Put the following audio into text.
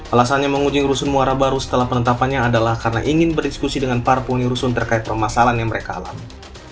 alasannya mengunjungi rusun muara baru setelah penetapannya adalah karena ingin berdiskusi dengan para penghuni rusun terkait permasalahan yang mereka alami